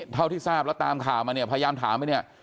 เท่าที่ทราบแล้วตามข่าวมาเนี่ยพยายามถามไปเนี่ย